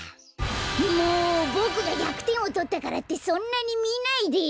もうボクが１００てんをとったからってそんなにみないでよ！